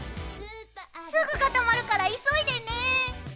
すぐ固まるから急いでね！